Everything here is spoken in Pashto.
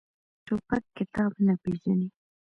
توپک کتاب نه پېژني.